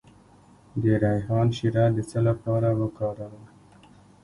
د ریحان شیره د څه لپاره وکاروم؟